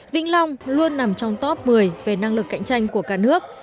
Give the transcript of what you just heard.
vĩnh long luôn nằm trong top một mươi về năng lực cạnh tranh của cả nước